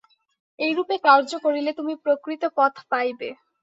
এইরূপে কার্য করিলে তুমি প্রকৃত পথ পাইবে।